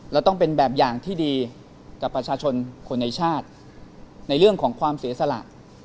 แล้วต้องเป็นแบบอย่างที่ดีกับประชาชนคนในชาติในเรื่องของความเสียสละ